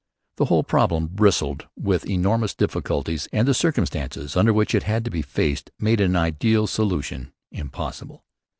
The whole problem bristled with enormous difficulties, and the circumstances under which it had to be faced made an ideal solution impossible.